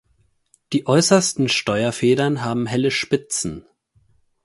Die äußersten Steuerfedern haben helle Spitzen.